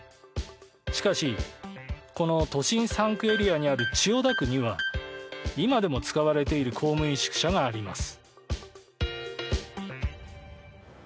しかしこの都心３区エリアにある千代田区には今でも使われている公務員宿舎があります。